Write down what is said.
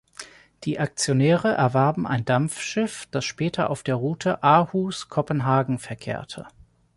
Die Aktionäre erwarben ein Dampfschiff, das später auf der Route Aarhus-Kopenhagen verkehrte.